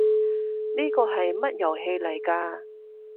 呢個係乜遊戲嚟㗎？